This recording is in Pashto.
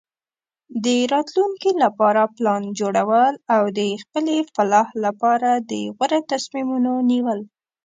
د راتلونکي لپاره پلان جوړول او د خپلې فلاح لپاره د غوره تصمیمونو نیول.